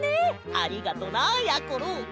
ありがとなやころ！